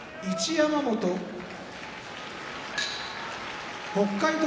山本北海道